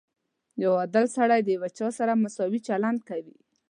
• یو عادل سړی د هر چا سره مساوي چلند کوي.